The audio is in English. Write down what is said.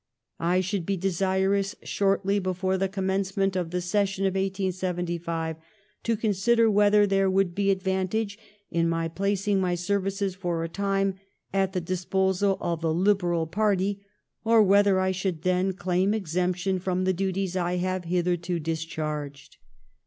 I should be desirous shortly before the commencement of the session of 1875 ^^ consider whether there would be advantage in my placing my services for a time at the disposal of the Lib eral party, or whether I should then claim exemp tion from the duties I have hitherto discharged.